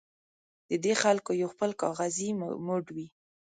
د دې خلکو یو خپل کاغذي موډ وي.